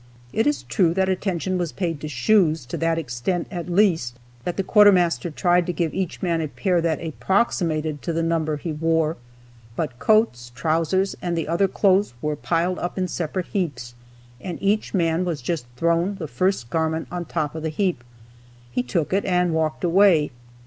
It is true that attention was paid to shoes, to that extent, at least, that the quartermaster tried to give each man a pair that approximated to the number he wore. But coats, trousers, and the other clothes were piled up in separate heaps, and each man was just thrown the first garment on the top of the heap; he took it and walked away.